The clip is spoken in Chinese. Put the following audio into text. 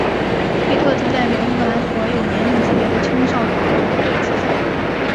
惠特曾代表英格兰所有年龄级别的青少队出赛。